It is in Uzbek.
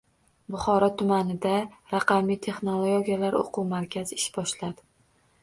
Buxoro tumanida raqamli texnologiyalar o‘quv markazi ish boshladi